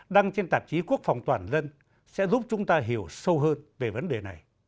đăng trên tạp chí quốc phòng toàn dân sẽ giúp chúng ta hiểu sâu hơn về vấn đề này